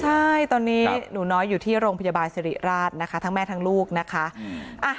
ใช่ตอนนี้หนูน้อยอยู่ที่โรงพยาบาลสิริราชนะคะทั้งแม่ทั้งลูกนะคะ